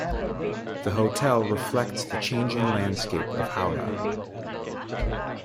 The hotel reflects the changing landscape of Howrah.